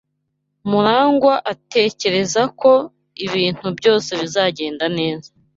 Murangwa atekereza ko ibintu byose bizagenda neza.